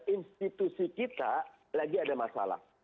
institusi kita lagi ada masalah